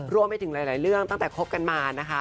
รวมไปถึงหลายเรื่องตั้งแต่คบกันมานะคะ